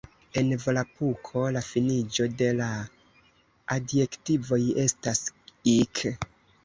En Volapuko la finiĝo de la adjektivoj estas "-ik".